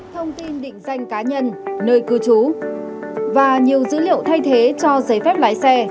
thông tin định danh cá nhân nơi cư trú và nhiều dữ liệu thay thế cho giấy phép lái xe